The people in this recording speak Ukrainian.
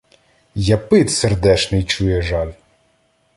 Япид сердешний чує жаль!